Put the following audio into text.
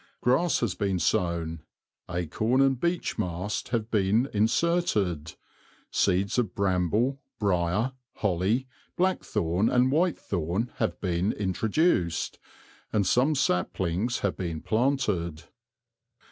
Grass has been sown, acorn and beechmast have been inserted, seeds of bramble, briar, holly, blackthorn and whitethorn have been introduced, and some saplings have been planted.